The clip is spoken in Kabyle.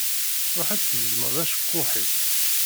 Ṛuḥ ad d-tgezmeḍ acekkuḥ-ik.